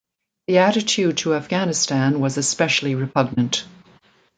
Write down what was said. The attitude to Afghanistan was especially repugnant.